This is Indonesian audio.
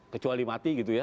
kecuali mati gitu ya